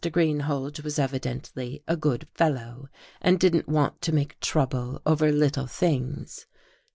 Greenhalge was evidently a good fellow, and didn't want to make trouble over little things.